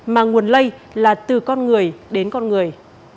mà nguồn lây là từ con người đến con người